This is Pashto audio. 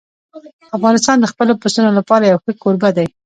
افغانستان د خپلو پسونو لپاره یو ښه کوربه دی.